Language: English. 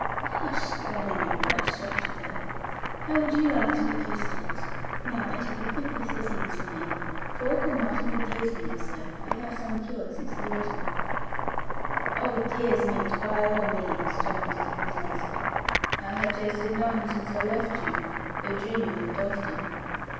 'Hush!' cried Annie, quite shocked with her; 'how would you like to be used to it? Now, Betty, be quick with the things for me. Pork, or mutton, or deer's meat, sir? We have some cured since the autumn.' 'Oh, deer's meat, by all means,' Jeremy Stickles answered; 'I have tasted none since I left you, though dreaming of it often.